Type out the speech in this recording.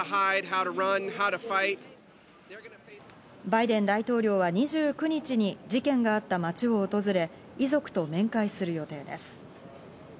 バイデン大統領は２９日に事件があった町を訪れ、遺族と面会する予定です。